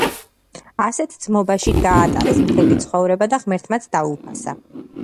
ასეთ ძმობაში გაატარეს მთელი ცხოვრება და ღმერთმაც დაუფასა